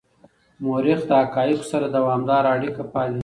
مورخ له حقایقو سره دوامداره اړیکه پالي.